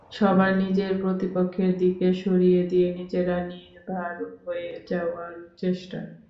সবার নজর প্রতিপক্ষের দিকে সরিয়ে দিয়ে নিজেরা নির্ভার হয়ে যাওয়ার চেষ্টা।